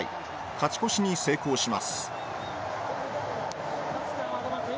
勝ち越しに成功します